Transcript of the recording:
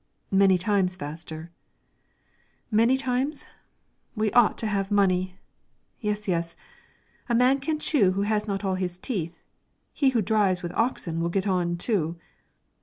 "Many times faster." "Many times? We ought to have money! Yes, yes; a man can chew who has not all his teeth; he who drives with oxen will get on, too."